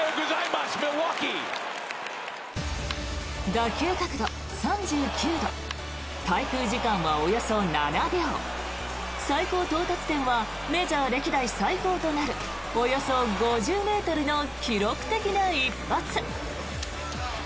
打球角度３９度滞空時間はおよそ７秒最高到達点はメジャー歴代最高となるおよそ５０ｍの記録的な一発。